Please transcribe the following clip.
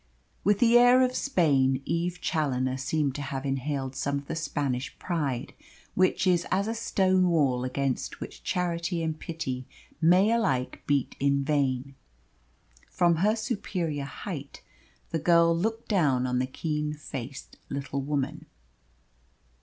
With the air of Spain Eve Challoner seemed to have inhaled some of the Spanish pride, which is as a stone wall against which charity and pity may alike beat in vain. From her superior height the girl looked down on the keen faced little woman.